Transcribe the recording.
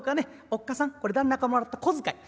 おっ母さんこれ旦那からもらった小遣い